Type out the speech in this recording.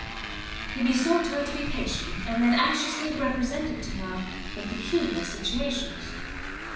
He besought her to be patient; and then anxiously represented to her their peculiar situations.